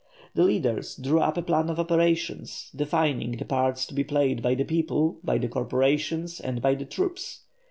The leaders drew up a plan of operations, defining the parts to be played by the people, by the corporations, and by the troops.